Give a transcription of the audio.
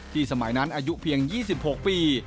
สมัยนั้นอายุเพียง๒๖ปี